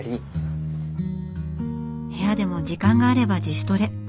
部屋でも時間があれば自主トレ。